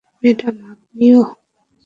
Madam, আপনিও।